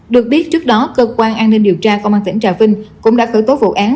được biết trước đó cơ quan an ninh điều tra công an tỉnh trà vinh cũng đã khởi tố vụ án